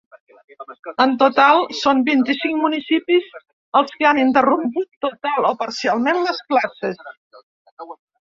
En total són vint-i-cinc municipis els que han interromput total o parcialment les classes.